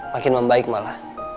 makin membaik malah